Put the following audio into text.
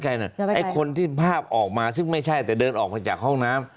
ไอ้คนที่ภาพออกมาซึ่งไม่ใช่แต่เดินออกมาจากห้องน้ำ